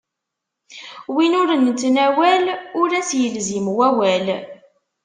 Win ur nettnawal, ur as-ilzim wawal.